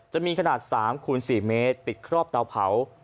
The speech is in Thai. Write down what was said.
จะมีขนาด๓คูณ๔เมตรปิดครอบเตาเผา